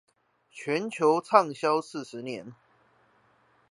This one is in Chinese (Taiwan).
全球長銷四十年